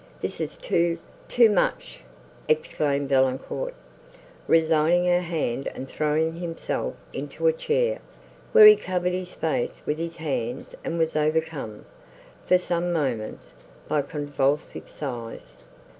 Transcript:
"This is too—too much," exclaimed Valancourt, resigning her hand and throwing himself into a chair, where he covered his face with his hands and was overcome, for some moments, by convulsive sighs.